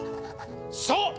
そう！